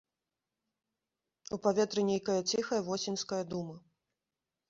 У паветры нейкая ціхая восеньская дума.